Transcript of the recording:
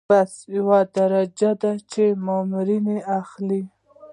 بست یوه درجه ده چې مامور یې اخلي.